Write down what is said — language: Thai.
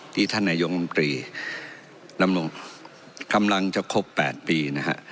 ท่านนายกรรมตรีดำรงกำลังจะครบ๘ปีนะฮะ